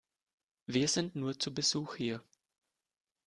Wir sind nur zu Besuch hier.